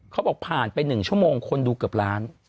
เขาบอกผ่านไป๑ชั่วโมงคนดูเกือบล้าน